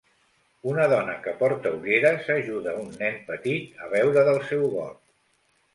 Una dona que porta ulleres ajuda un nen petit a beure del seu got.